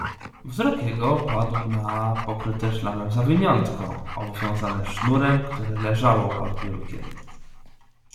"Wzrok jego padł na pokryte szlamem zawiniątko, obwiązane sznurem, które leżało pod biurkiem."